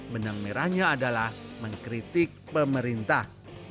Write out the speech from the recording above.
benang merahnya adalah mengkritik pemerintah